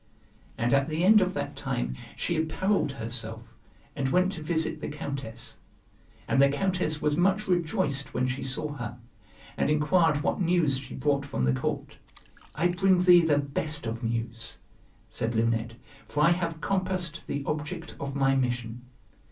And at the end of that time she apparelled herself, and went to visit the Countess. And the Countess was much rejoiced when she saw her, and inquired what news she brought from the court. "I bring thee the best of news," said Luned, "for I have compassed the object of my mission.